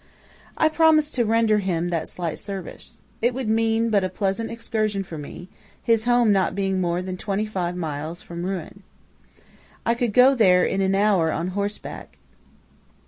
"I promised to render him that slight service. It would mean but a pleasant excursion for me, his home not being more than twenty five miles from Rouen. I could go there in an hour on horseback.